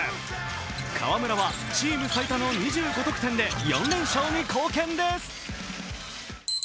河村はチーム最多の２５得点で４連勝に貢献です。